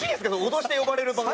脅して呼ばれる番組。